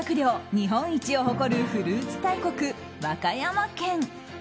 日本一を誇るフルーツ大国、和歌山県。